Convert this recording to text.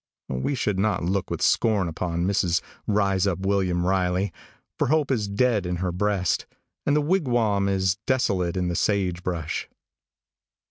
We should not look with scorn upon Mrs. Rise up William Riley, for hope is dead in her breast, and the wigwam is desolate in the sage brush.